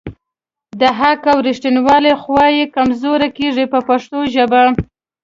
د حق او ریښتیولۍ خوا یې کمزورې کیږي په پښتو ژبه.